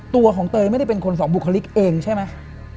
ตัวของเตยไม่ได้เป็นคนสองบุคลิกเองใช่ไหม